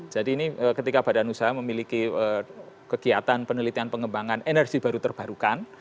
jadi ini ketika badan usaha memiliki kegiatan penelitian pengembangan energi baru terbarukan